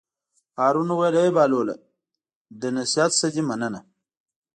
هارون وویل: ای بهلوله د نصیحت نه دې مننه.